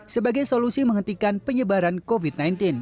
sebagai solusi menghentikan penyebaran covid sembilan belas